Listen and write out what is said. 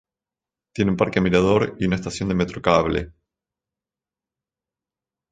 Tiene un Parque Mirador y una estación de Metrocable.